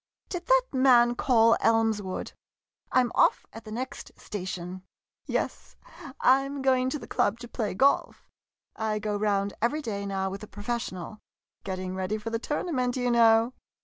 Did that man call Elmswood ? I 'm off at the next station. Yes, I 'm going to the club to play golf. I go round every day now with a professional. Getting ready for the tournament, you know.